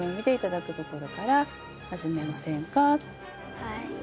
はい。